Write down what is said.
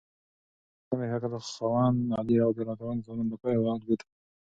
د علم او حکمت خاوند علي رض د ځوانانو لپاره یوه الګو ده.